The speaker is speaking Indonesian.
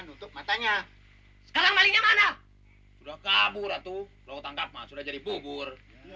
nutup matanya sekarang malingnya mana sudah kabur atuh lo tangkap maksudnya jadi bubur